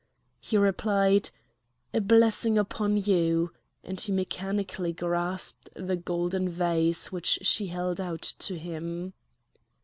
He replied: "A blessing upon you!" and he mechanically grasped the golden vase which she held out to him.